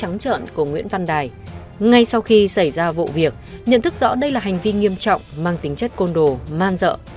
ngay sau khi xảy ra vụ việc nhận thức rõ đây là hành vi nghiêm trọng mang tính chất côn đồ man dợ